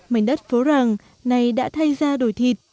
mảnh đất phố ràng này đã thay ra đổi thịt